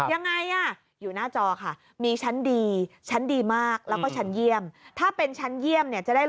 ยังไงอยู่หน้าจอค่ะมีชั้นดีชั้นดีมากแล้วก็ชั้นเยี่ยม